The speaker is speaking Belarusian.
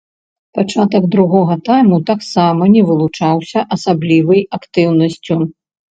Пачатак другога тайму таксама не вылучаўся асаблівай актыўнасцю.